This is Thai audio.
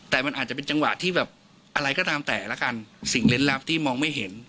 แต่มันอาจจะเป็นจังหวะที่แบบอะไรก็ตามแต่ละกันสิ่งเล่นลับที่มองไม่เห็น